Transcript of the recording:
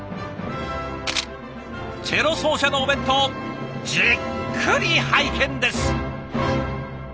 チェロ奏者のお弁当じっくり拝見です。